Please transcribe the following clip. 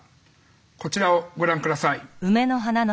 こちらをご覧下さい。